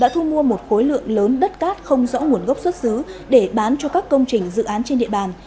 thu mua một khối lượng lớn đất cát không rõ nguồn gốc xuất xứ để bán cho các công trình dự án trên địa bàn